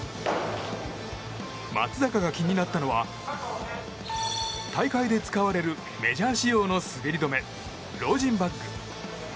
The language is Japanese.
松坂が気になったのは大会で使われるメジャー仕様の滑り止めロージンバッグ。